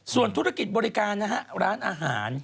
ส่วนธุรกิจบริการนะฮะร้านอาหาร